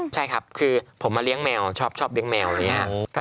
ใช่ครับคือผมมาเลี้ยงแมวชอบเลี้ยงแมวอย่างนี้ครับ